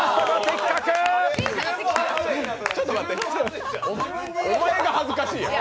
ちょっと待ってお前、お前が恥ずかしいやろ！